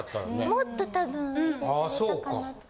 もっと多分入れれたかなと。